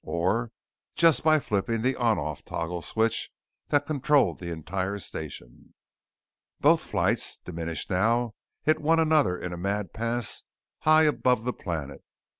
Or just by flipping the "ON OFF" toggle switch that controlled the entire station. Both flights, diminished now, hit one another in a mad pass high above the planet.